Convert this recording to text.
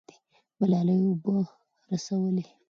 ملالۍ اوبه رسولې.